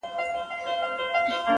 • تاج دي کم سلطان دي کم اورنګ دي کم,